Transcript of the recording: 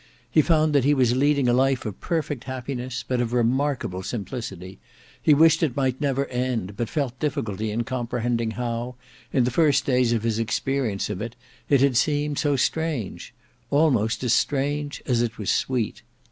He found that he was leading a life of perfect happiness, but of remarkable simplicity; he wished it might never end, but felt difficulty in comprehending how in the first days of his experience of it, it had seemed so strange; almost as strange as it was sweet.